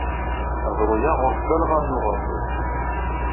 Aẓru-a ɣur-s talɣa n uɣersiw.